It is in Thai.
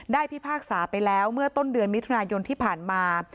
พิพากษาไปแล้วเมื่อต้นเดือนมิถุนายนที่ผ่านมา